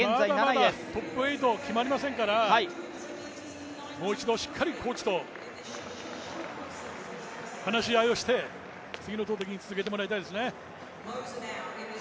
まだまだトップ８決まりませんから、もう一度しっかりコーチと話し合いをして次の投てきにつなげてもらいたいですね。